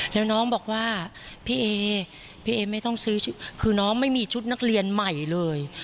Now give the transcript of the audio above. แล้วน้องบอกว่าพี่เอพี่เอไม่ต้องซื้อคือน้องไม่มีชุดนักเรียนใหม่เลย